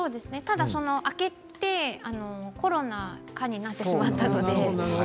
明けて、コロナ禍になってしまいましたので。